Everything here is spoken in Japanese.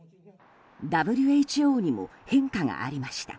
ＷＨＯにも変化がありました。